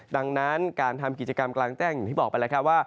ดังนั้นการทำกิจกรรมกลางแจ้งอย่างที่บอกไปแล้วครับว่า